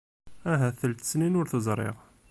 Ahat telt-snin sur t-ẓriɣ.